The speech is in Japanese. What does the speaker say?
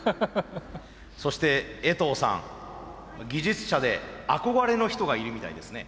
そして衛藤さん技術者で憧れの人がいるみたいですね。